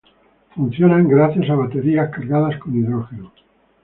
Funcionan gracias a baterías cargadas con hidrógeno.